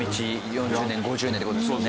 ４０年５０年って事ですよね。